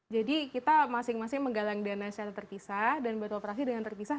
jadi kita masing masing menggalang dana secara terpisah dan beroperasi dengan terpisah